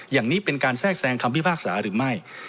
อย่างนี้เป็นการแทรกแซงคำพิพากษาหรือไม่